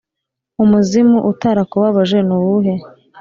umuzimu utarakubabaje nuwuhe